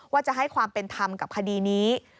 ว่าจะให้ความเป็นธรรมกับคดีนี้